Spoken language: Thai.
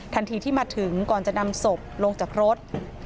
ทันทีที่มาถึงก่อนจะนำศพลงจากรถ